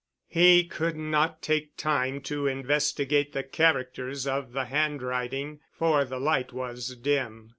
He could not take time to investigate the characters of the handwriting, for the light was dim.